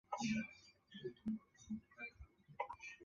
行政中心位于安纳波利斯罗亚尔。